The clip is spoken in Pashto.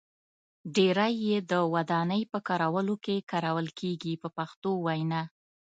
ډیری یې د ودانۍ په کارونو کې کارول کېږي په پښتو وینا.